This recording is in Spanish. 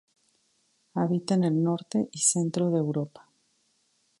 Habita en el Norte y centro de Europa.